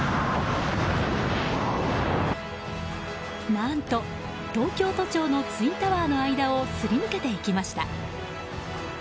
何と東京都庁のツインタワーの間をすり抜けていきました。